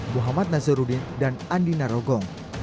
muhammad nazarudin dan andi narogong